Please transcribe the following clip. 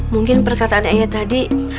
mungkin perkataan ayah tadi